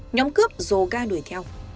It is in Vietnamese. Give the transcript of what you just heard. nhóm cướp dồ ga đuổi theo